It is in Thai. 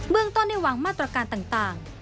เบื้องต้นในหวังมาตรการต่าง